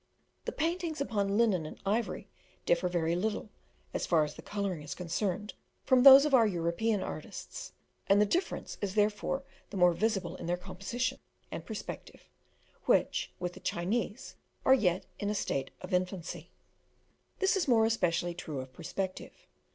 The paintings upon linen and ivory differ very little, as far as the colouring is concerned, from those of our European artists, and the difference is therefore the more visible in their composition, and perspective, which, with the Chinese, are yet in a state of infancy. This is more especially true of perspective.